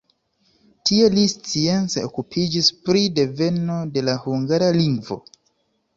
Tie li science okupiĝis pri deveno de la hungara lingvo.